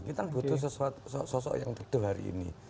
kita butuh sosok yang gede hari ini